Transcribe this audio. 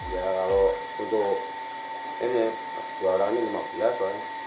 ya kalau untuk ini suara ini lima belas pak